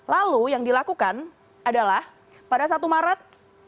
lalu yang dilakukan adalah pada satu maret